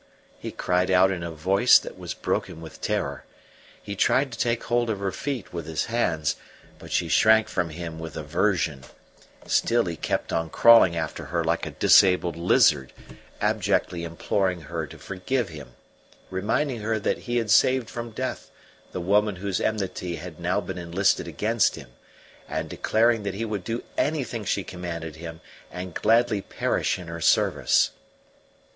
he cried out in a voice that was broken with terror. He tried to take hold of her feet with his hands, but she shrank from him with aversion; still he kept on crawling after her like a disabled lizard, abjectly imploring her to forgive him, reminding her that he had saved from death the woman whose enmity had now been enlisted against him, and declaring that he would do anything she commanded him, and gladly perish in her service.